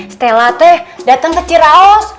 stella teh datang ke ciraos